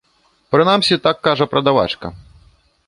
Прынамсі, так кажа прадавачка.